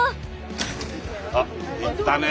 あっ行ったね。